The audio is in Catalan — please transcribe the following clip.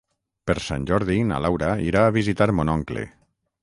Per Sant Jordi na Laura irà a visitar mon oncle.